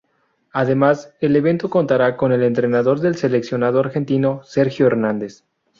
Además, el evento contará con el entrenador del seleccionado argentino Sergio Hernández.